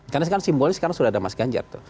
karena sekarang simbolis karena sudah ada mas ganjar